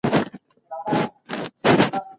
دا جوړښتونه اکسیجن کاروي.